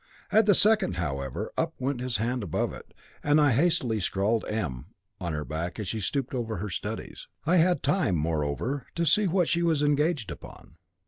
At the second, however, up went his hand above it, and I hastily scrawled M, on her back as she stooped over her studies. I had time, moreover, to see what she was engaged upon.